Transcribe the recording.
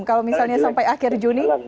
kalau misalnya sampai akhir juni